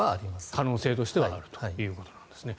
可能性としてはあるということですね。